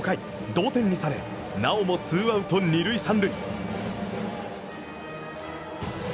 同点にされなおもツーアウト、二塁三塁。